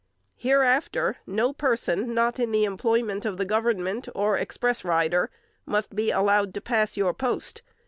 Hereafter, no person, not in the employment of the Government, or express rider, must be allowed to pass your post.